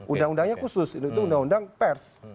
undang undangnya khusus itu undang undang pers